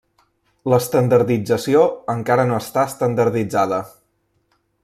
L'estandardització encara no està estandarditzada.